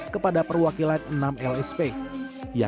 menaker secara simbolis menyerahkan sertifikasi kompetensi kerja